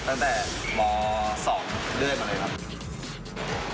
ตั้งแต่หมอสองเดื้อมาเลยครับ